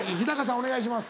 お願いします。